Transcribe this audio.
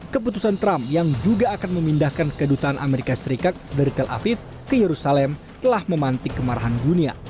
keputusan trump yang juga akan memindahkan kedutaan amerika serikat dari tel aviv ke yerusalem telah memantik kemarahan dunia